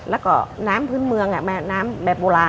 แล้วก็น้ำพื้นเมืองน้ำแบบโบราณ